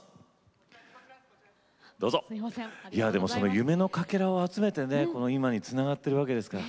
夢のかけらを集めて今につながっているわけですから。